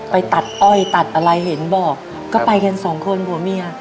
ไปตัดอ้อยตัดอะไรเห็นบอกก็ไปกันสองคนผัวเมีย